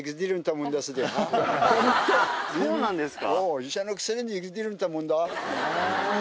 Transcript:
そうなんですか？